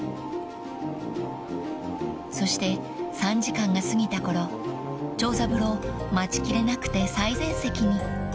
［そして３時間が過ぎたころ長三郎待ちきれなくて最前席に］